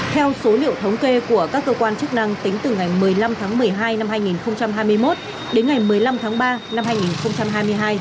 theo số liệu thống kê của các cơ quan chức năng tính từ ngày một mươi năm tháng một mươi hai năm hai nghìn hai mươi một đến ngày một mươi năm tháng ba năm hai nghìn hai mươi hai